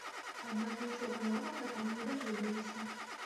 Аднак нічога новага там не даведаліся.